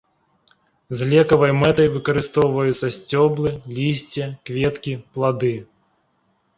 З лекавай мэтай выкарыстоўваюцца сцёблы, лісце, кветкі, плады.